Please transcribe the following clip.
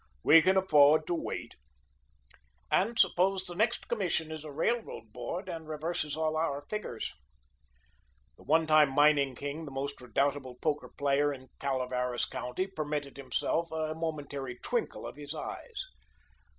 We can afford to wait." "And suppose the next commission is a railroad board, and reverses all our figures?" The one time mining king, the most redoubtable poker player of Calaveras County, permitted himself a momentary twinkle of his eyes.